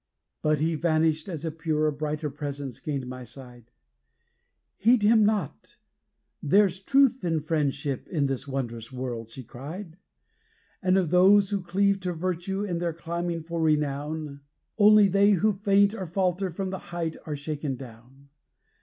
But he vanished as a purer brighter presence gained my side 'Heed him not! there's truth and friendship in this wondrous world,' she cried, And of those who cleave to virtue in their climbing for renown, Only they who faint or falter from the height are shaken down.